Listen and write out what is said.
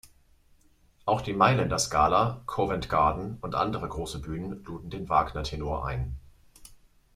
Auch die Mailänder Scala, Covent Garden und andere große Bühnen luden den Wagner-Tenor ein.